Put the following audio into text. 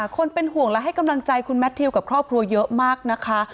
คนเป็นห่วงและให้กำลังใจคุณแมททิวกับครอบครัวเยอะมากนะคะ